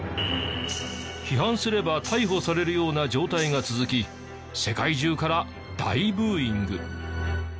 批判すれば逮捕されるような状態が続き世界中から大ブーイング。